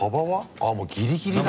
あっもうギリギリだ。